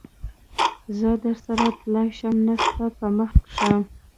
زه درسره تللای شم؟ نه، ستا په مخه ښه.